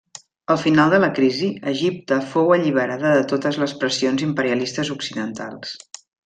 Al final de la crisi, Egipte fou alliberada de totes les pressions imperialistes occidentals.